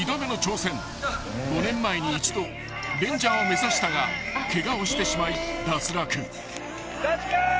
［５年前に一度レンジャーを目指したがケガをしてしまい脱落］